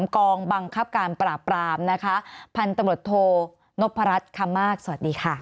กองบังคับการปราบปรามนะคะพันธุ์ตำรวจโทนพรัชคำมากสวัสดีค่ะ